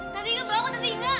tante inga bangun tante inga